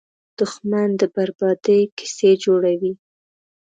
دښمن د بربادۍ کیسې جوړوي